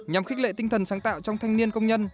nhằm khích lệ tinh thần sáng tạo trong thanh niên công nhân